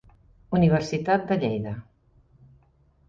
Universitat de Lleida.